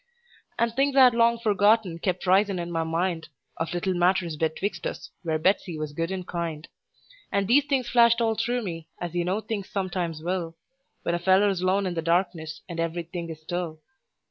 And things I had long forgotten kept risin' in my mind, Of little matters betwixt us, where Betsey was good and kind; And these things flashed all through me, as you know things sometimes will When a feller's alone in the darkness, and every thing is still.